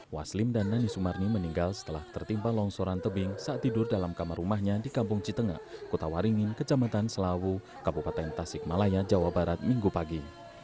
waslim dan nani sumarni meninggal setelah tertimpa longsoran tebing saat tidur dalam kamar rumahnya di kampung citengah kota waringin kecamatan selawu kabupaten tasik malaya jawa barat minggu pagi